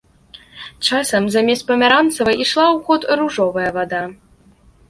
Часам замест памяранцавай ішла ў ход ружовая вада.